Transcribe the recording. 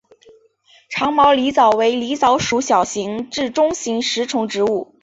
长毛狸藻为狸藻属小型至中型食虫植物。